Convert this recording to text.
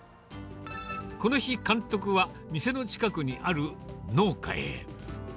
この日、監督は店の近くにある農家へ。